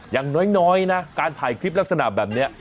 อย่างน้อยนะการถ่ายคลิปลักษณะแบบนี้